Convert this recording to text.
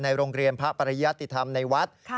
โรงเรียนพระปริยติธรรมในวัด